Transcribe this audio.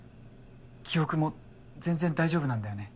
記憶も全然大丈夫なんだよね？